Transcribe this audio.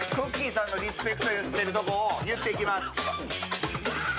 さんのリスペクトしているところを言っていきます。